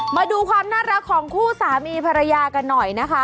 มาดูความน่ารักของคู่สามีภรรยากันหน่อยนะคะ